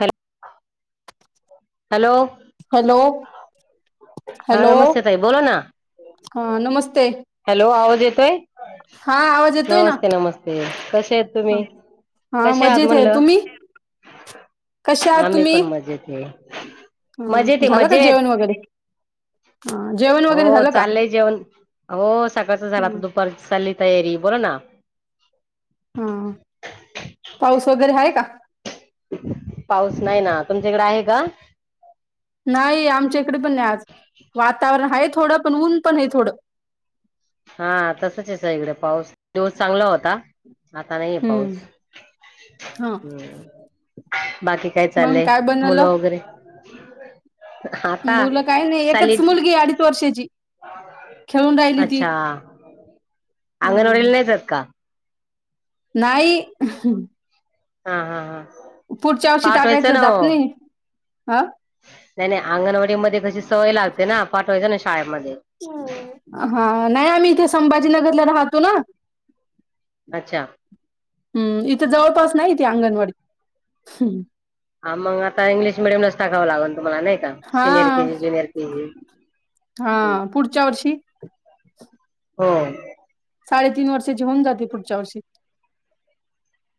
Hello hello हा hello नमस्ते ताई बोला ना हा नमस्ते हॅलो आवाज येतोय हा आवाज येतोय ना नमस्ते नमस्ते कश्या आहात हा तुम्ही हा कश्या आहात मजेत आहे म्हणलं. तुम्ही कशा आहात आम्ही तुम्ही पण मजेत हाय हा मजेत झालं का मजेेत, जेवण वगैरे हा जेवण वगैरे हो झालं का चाललंय जेवण, हो सकाळचा झाला आता हा दुपार ची चालली तयारी बोला ना, हा पाऊस वगैरे आहे का? पाऊस नाही ना, तुमच्याकडे आहे का? नाही आमच्या इकडे पण नाही आज, वातावरण आहे थोडं पण ऊन पण आहे, थोडं. हा तसच आहेस, इकडे पाऊस दिवस चांगला होता. आता नाहीे पाऊस हम्म हा हम्म, बाकी काय मग चाललंय, काय बनवलं मुलं वगैरे आता मुलं काही नाही एकच चालीत मुलगी अडीच वर्षाची खेळून राहिली ती. अच्छा हा अंगणवारले नाहीेतात का? नाहीई, हा हा हा, पुढच्या वर्षी पाठवायचं टाकायचं ना द आप ओ नाही. हा नाही नाही अंगणवाडी मध्ये कशी सवय लागते, ना पाठवायची ना शाळेमध्ये, हा नाही आम्ही इथे संभाजीनगरला राहतो ना, अच्छा, हम्म इथं जवळपास नाही, त अंगणवाडी हम्. हा मग आता इंग्लिश मिडयमलाच टाकावं लागल. तुम्हाला नाही, का हा सिनियर केजी जुनियर के हा जी, पुढच्या [inaudible] हो, साडेतीन वर्षाची होऊन जाते, पुढच्या वर्षी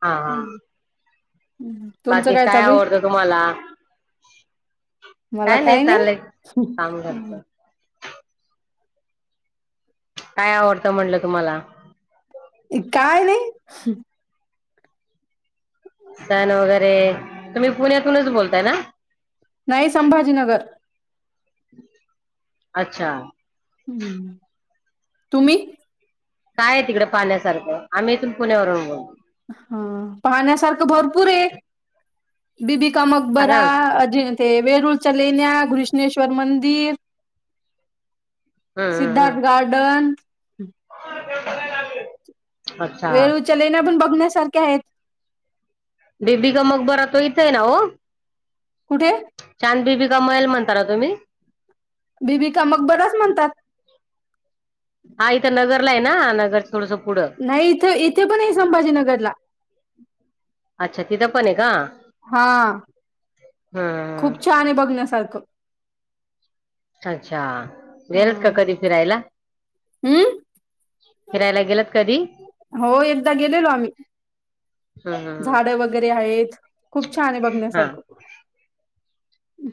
हा हा तुमचं बाकी काय चालू आहे आवडतं तुम्हाला! मला काय नाही चालय काम नाही करतोय. काय आवडतं म्हटलं तुम्हाला! हम्, सण वगैरे तुम्ही पुण्यातूनच बोलताय ना? नाही संभाजीनगर अच्छा तुम्ही, काय आहे तिकडे पाण्यासारखं आम्ही इथून पुण्यावरून बोल, हा पाहण्यासारखं भरपूर आहे, बीबी का सांगा मकबरा ना अ, ते वेरूळच्या लेण्या घृष्णेश्वर मंदिर, हम्म हम्म सिद्धार्थ हम्म गार्डन, [unintelligible] अच्छा वेरुळ च्या लेण्या पण बघण्यासारख्या आहेत. बीबी का मकबरा तो इथं आहे ना हो, कुठे? बीबी का मल, बीबीिका मग बराच म्हणतात. हा इथं नगरला आहे, ना नगर थोडस पुढं. नाही इथे इथे पण आहे संभाजीनगरला, अच्छा तिथं पण आहे का! हा खूप हम्म छान आहे बघण्यासारखं. अच्छा गेलत का कधी फिरायला? हम्म फिरायला गेलात कधी? हो एकदा गेलेलो आम्ही. हम्म हम्म झाड वगैरे आहेत खूप छान आहे हा. बघण्यासारखं हम्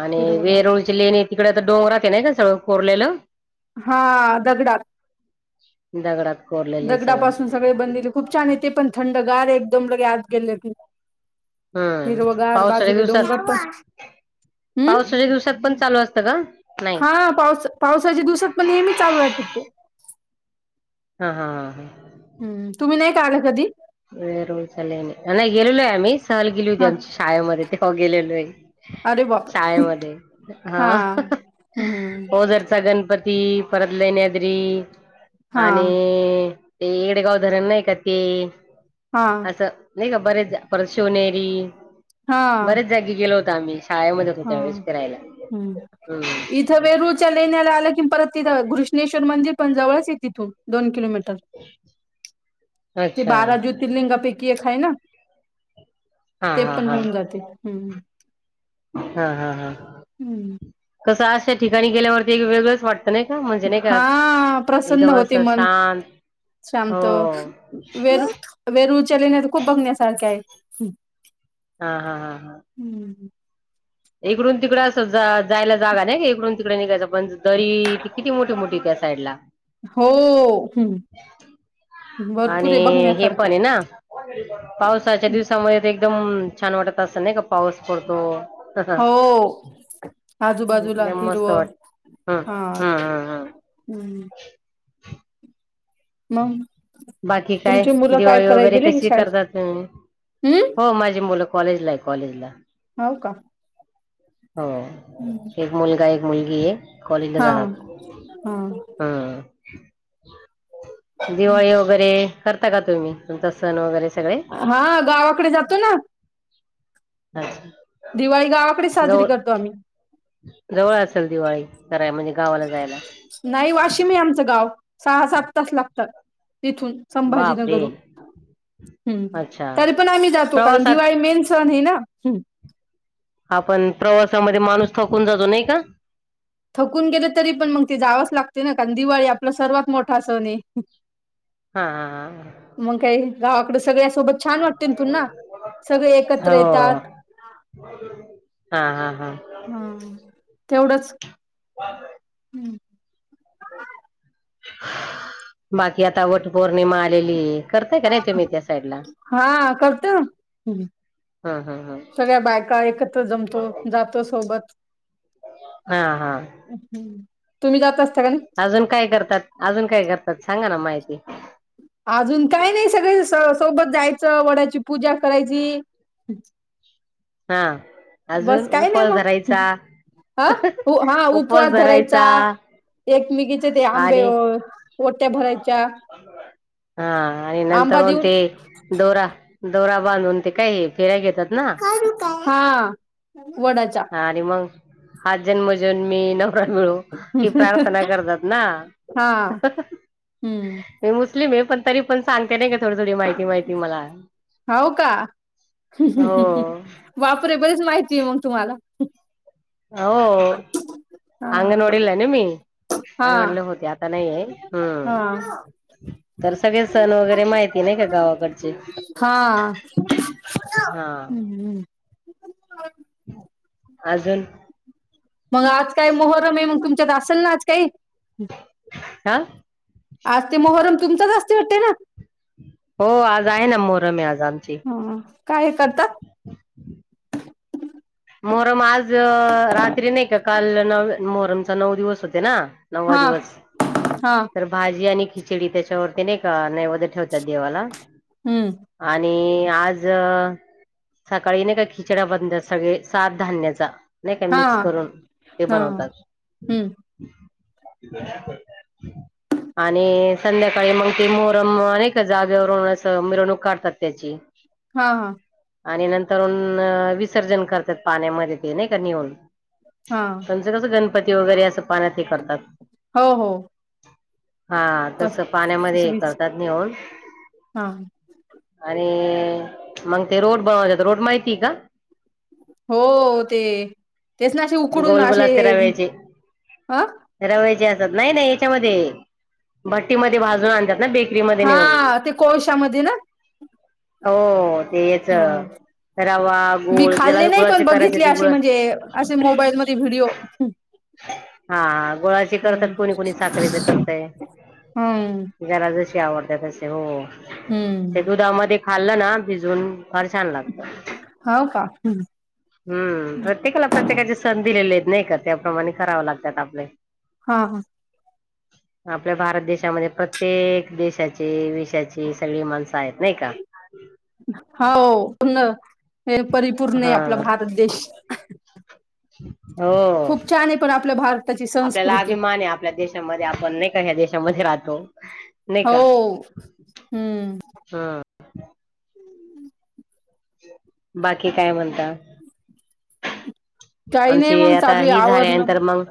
आणि वेरळची लेणी तिकडे तर डोंगरात नाही का सगळं कोरलेलं हा दगडा दगडात कोरलेलं आहे सगळं. दगडापासून सगळे बनलेले खूप छान येते पण थंडगार आहे दम लगे आज गेले हम्म हिरवगार पावसाच्या बाजूले दिवसात डोंगर पण हम्म पावसाच्या दिवसात पण चालू असतं का नाही हा पावस पावसाच्या दिवसात पण नेहमीच चालू राहत ते हा हा हां हां हम्म तुम्ही नाय का आले कधी वर उचाले आ ना गेलले आम्हीच ला गेली होती हा आमच्या शाळेमध्ये तेव्हा गेलेलो आहे अरे बापरे शाळेमध्ये हा हम्म हो जर च गणपती त परत लईनद्री हा आणि ते इकडे गावधरण नाही का ते हा असं नाही का बरेच परशिवनेरी हा बरेच जागी गेलो होत आम्ही शाळेमध्ये होतो हा त्यावेेळेस फिरायला हम् हम्म इथं वेरूच्या लेण्याला आलं कि परत तिथं घृष्णेश्वर मंदिर जवळाच आहे तिथून दोन किलोमीटर ते अच्छा बारा ज्योतिर्लिंगापैकी एक आहे ना हा ते हा पण हा होऊन जाते हम्म हा हा हा हम्म कस अशा ठिकाणी गेल्यावर वेगवेगळंच वाटतं नाही का म्हणजे नाही का हा एकदम असं शांत हो शमत वेरू वेरूच्यालिण्या तर खूप बघण्यासारख्या आहे हम् हा हा हा हा इकडून तिकडं अस जायला जागा नाही इकडून तिकडे निघायचं पण दरी किती मोठी मोठी साईड ला हो हम्म भरपूरे आणि हे पण बघण्यासारखं आहे ना पावसाच्या दिवसामध्ये ते एकदम छान वाटत असत नाही का पाऊस पडतो हो आजूबाजूला म मस्त हिरवं वाटत हा हा हा हम हम्म. मग बाकी काय तुमची मुलं काय दिवाळी कराय वगैरे गेले की कशी शाळेत करतात तुम्ही हम्म हो माझी मुलं कॉलेजला आहे कॉलेजला हो का हो एक मुलगा एक मुलगी आहे कॉल हा झाला हा हा दिवाळी वगैरे करता का तुम्ही द सण वगैरे सगळे हा गावाकडे जातो ना हम दिवाळी गावाकडे साजरी करतो आम्ही जवळ असेल दिवाळी कराय म्हणजे गावाला जायला नाही वाशिम आहे आमचं गाव सहा सात तास लागतं तथून बाप रे संभाजीनगरून ह् अच्छा तरी पण आम्ही जातो कारण प्रवासात दिवाळी मेन ना आपण प्रवासामध्ये माणूस थकून जातो नाही का थकून गेले तरी पण मग ते जावंच लागते ना कारण दिवाळी आपला सर्वात मोठा सण आहे हा हा हा मग काही गावाकडे सगळ्या सोबत छान वाटते तुना सगळे एकत्र हा हो येतात हा हा हा हा तेवढंच ह हम् बाकी आता वट पौर्णिमा आलेली आहे हा करतो हा करतेना हा हा सगळ्या बायका एकत्र जमतो जातो सोबत. हा हा तुम्ही जातत अजून काय करतात अजून काय करतात सांगा ना माहिती अजून काय नाही सगळे सोबत जायचं वडाची पूजा करायची हा अजून बस काय नाही उफल मग धरायचा हा हा उपवास धरायचा एकमेकीचे ते आणि आंबेवर. हा आणि नंतर आंबा होन देऊन ते दोरा दोरा बांध होनते काही फिराय घेत हा वडाचा हज जनमजून मी नवरा मिळू की प्रार्थना करतात ना हा हम्म मी पण तरी पण सांगते नाही का थोडी थोडी माहिती माहिती मला हो का हो वापरे बरीच माहिती मग तुम्हाला हो हा अंगणवाडीला ये ना मी हा अंगणडला होते आता नाहीय हा हम्म तर सगळे सण वगैरे माहिती नाही का गावाकडचे हा हम्म हम्म अजून मग आज काय मोहरम आहे मग तुमच्यात असेल ना आज काही हा आज ते मोहरम तुमचाच असते वाटते ना हो आज आहे ना मोरमे आज आमची हा काय हे करतात मोहरम आज रात्री नाही का काल न मोहरमचा नऊ दिवस होते ना. नववा हा दिवस हा तर भाजी आणि खिचडी त्याच्यावरती नाही का न वैद्य ठेवतात देवाला हम्म आणि. आज सकाळी नाही का खिचडा बंद सगळे सात धान्याचा. नाही का हा मिक्स करून ते हा बनवतात. हम्म [unintelligible] आणि संध्याकाळी मग ते मोहरम अनेक जागेवर मिरवणूक काढतात त्याची. हा हा. आणि नंतर विसर्जन करतात पाण्यामध्ये ते नाही का निव. हा त्यांचं कसं गणपती वगैरे असं पाण्यात हे करतात. हो हो हा तस पाण्यामध्ये तस हे वीस करतात नेऊन हा आणि. मग ते रोड बनवायात रोड माहितीय का. हो ते. तेच ना असे उकडून गोलगोल असे असते रवयाची अ रव्याची असते. नाही नाही याच्यामध्ये भट्टी म भाजून आण. हा ते कोळशामध्ये ना. हो तेच. ह मी खाल्ले नाही पण बघितले ते असे गुळ म्हणजे असे मोबाईल मध्ये व्हिडिओ. हा. गोळाची करतात हम्म कोणी कोणी साखरेच करताय हम्म घराज. आवडत तसे हो. ते हम्म. दुधामध्ये खाल्लं ना भिजून फार छान लागत. हम्. हम्म प्रत्येकाला प्रत्येकाची सण दिलेली आहेत नाही का त्याप्रमाणे कराव लागतात आपले. हा हा. [unintelligible] आपल्या भारत देशामध्ये प्रत्येक देशाची विशाची सगळी माणसं आहेत नाही का. हो पण हे परिपूर्ण आहे आपला हा भारत देश. [unintelligible] खूप छान आहे पण आपलं भारत. आपल्याला अभिमान आहे आपल्या देशामध्ये आपण नाही का ह्या देशामध्ये राहतो. नाही का हो हम्म. ह बाकी काय म्हणता. काही नाही आमची मग आता चालू आहे ही आवरण झाल्यानंतर मग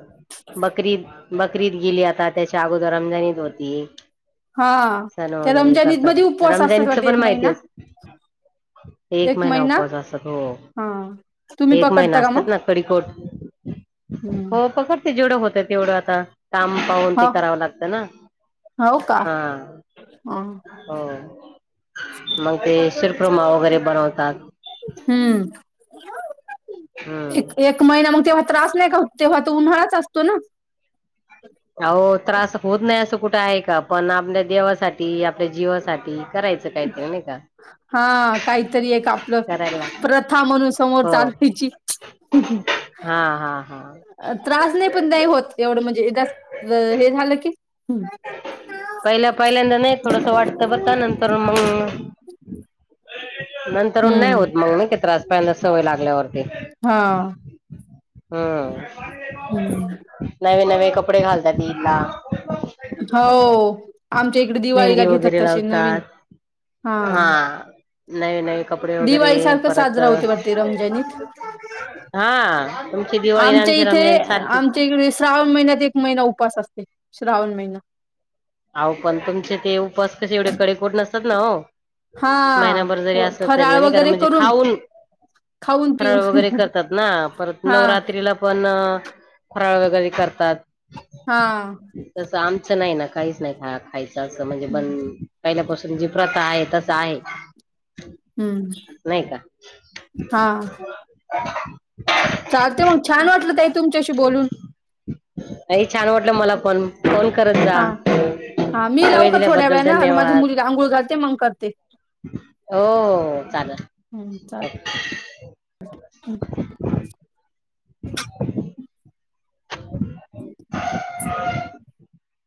बकरी. बकरी ईद गेली आता त्याच्या अगोदर रमजान ईद होती. हा सण त्या वगैरे हे रमजान ईद मध्ये करतात उपवास रमजन असतात ईदच वाटते पण एक माहिती महिना आहे. एक महिना उपवास असत हो हा तुम्ही एक महिना पकडता का असत. मग ना कडिकोट हम्म हो पकडते जेवढं होतं तेवढं आता. काम पाहून ते हो करावं लागत ना. हो का हा हा हो. मग ते शिरप्रमा वगैरे. बनवतात हम्म एक हम्म एक महिना मग तेव्हा त्रास. नाही का तेव्हा तो उन्हाळाच असतो ना. अह त्रास होत नाही असं कुठे आहे का पण आपल्या देवासाठी आपल्या जीवासाठी. करायचं काहीतरी नाही का हा काहीतरी एक आपलं करायला प्रथा म्हणून. समोर हो चालवायची. हा हा हा त्रास नाही पण नाही होत एवढं म्हणजेद हे झालं की पहिला पहिल्यांदा नाही थोडस वाटत बर नंतर मंग. नंतर नाही होत हम्म मग न कि त्रास पंद सवय लागल्यावरती. हा हम्म नवे नवे. कपडे घालत्या तीज ला. हो आमच्या इकडे दिवाळीला घेतात तसे नवीन हा हां. दिवाळी सारखं साजरा परत होते वाटतं रमजान ईद हा तुमची दिवाळी आणि आमच्या आमची इथे रमजान सारखीच. आमच्या इकडे श्रावण महिन्यात एक महिना उपास असते. श्रावण महिना आओ पण तुमचे ते उपास कसे एवढे कडेकोट नसतात ना हो. हा महिना्भर जरी असलं तरी फराळ नाही कारण वगैरे म्हणजे करून खाऊन खाऊन फराळ पिऊन वगैरे करतात ना परत हा नवरात्रीला पण फराळ वगैरे करतात. हां. असं नाही ना काहीच नाही खा खायचं असं म्हणजे बण पहिल्यापासून जी प्रथा आहे तसं आहे. हम्म नाही का? हा चालते मग छान वाटलं ताई तुमच्याशी बोलून नाही छान वाटलं मला फन फोन करत जा. हा हा मी लावू वेळ का थोड्या दिल्याबद्दल वेळा ना आ माझ्या धन्यवाद मुलीला आंघोळ घालते मग करते. हो चालेल. हम्म चालेल. [inaudible] [unintelligible]